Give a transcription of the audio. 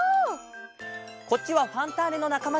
こっちは「ファンターネ！」のなかまたち。